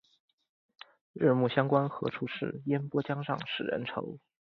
日暮乡关何处是？烟波江上使人愁。